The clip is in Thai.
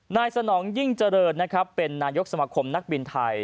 นายสนองยิ่งเจริญเป็นนายกสมาคมนักบินไทย